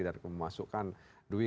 dan memasukkan duit